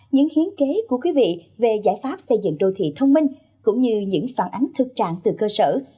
những hiến kế của quý vị về giải pháp xây dựng đô thị thông minh cũng như những phản ánh thực trạng từ cơ sở